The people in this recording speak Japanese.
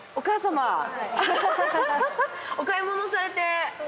お買い物されて。